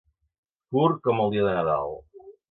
Curt com el dia de Nadal.